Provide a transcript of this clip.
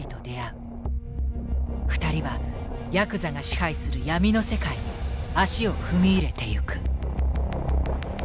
２人はヤクザが支配する闇の世界に足を踏み入れてゆく。